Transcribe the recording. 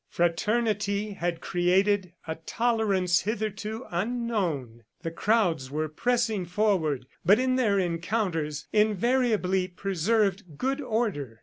Fraternity had created a tolerance hitherto unknown. The crowds were pressing forward, but in their encounters, invariably preserved good order.